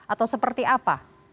atau seperti apa